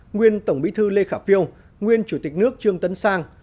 nguyên tổng bí thư lê khả phiêu nguyên chủ tịch nước trương tấn sang